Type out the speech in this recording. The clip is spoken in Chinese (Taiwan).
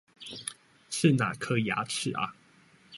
是哪顆牙齒啊